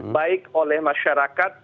baik oleh masyarakat